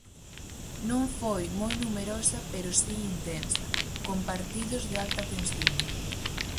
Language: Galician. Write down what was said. Non foi moi numerosa pero si intensa, con partidos de alta tensión.